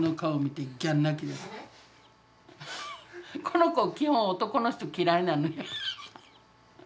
この子基本男の人嫌いなのよ。